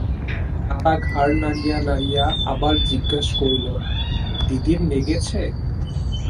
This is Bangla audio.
তাতা ঘাড় নাড়িয়া নাড়িয়া আবার জিজ্ঞাসা করিল, দিদির নেগেছে?